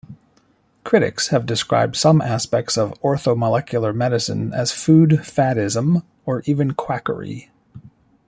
Critics have described some aspects of orthomolecular medicine as food faddism or even quackery.